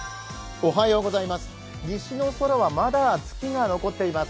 西の空はまだ月が残っています。